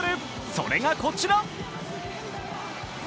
それがこちら。